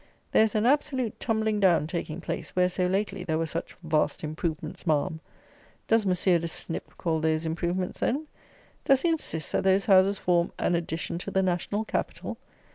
There is an absolute tumbling down taking place, where, so lately, there were such "vast improvements, Ma'am!" Does Monsieur de Snip call those improvements, then? Does he insist, that those houses form "an addition to the national capital?"